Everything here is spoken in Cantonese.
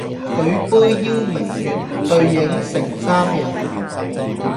舉杯邀明月，對影成三人